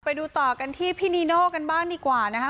ไปดูต่อกันที่พี่นีโน่กันบ้างดีกว่านะคะ